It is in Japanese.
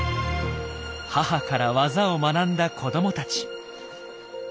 母から技を学んだ子どもたち。